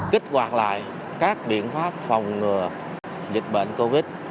kích hoạt lại các biện pháp phòng ngừa dịch bệnh covid